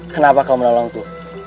kenapa kau menolongku